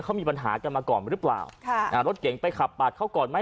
เขามีปัญหากันมาก่อนหรือเปล่าค่ะอ่ารถเก่งไปขับปาดเขาก่อนไหม